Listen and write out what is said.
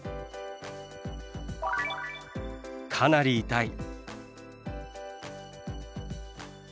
「かなり痛い」。